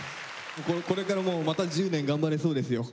これからもうまた１０年頑張れそうですよ。